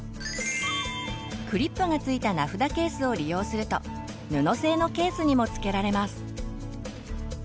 クリップがついた名札ケースを利用すると布製のケースにもつけられます。